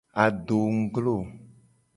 Adongglo.